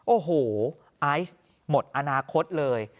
โอ้โหไอซ์หมดอนาคตเลย